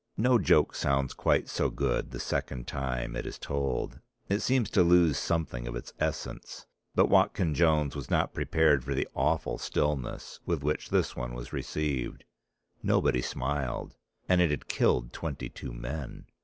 '" No joke sounds quite so good the second time it is told, it seems to lose something of its essence, but Watkyn Jones was not prepared for the awful stillness with which this one was received; nobody smiled; and it had killed twenty two men.